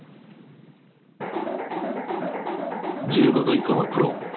１５度以下は黒。